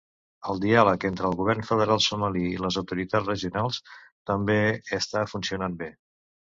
El diàleg entre el govern federal somali i les autoritats regionals també està funcionant bé.